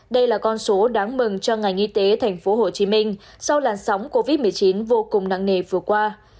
đây là con số đáng mừng cho ngành y tế tp hcm sau làn sóng covid một mươi chín vô cùng nặng nề vừa qua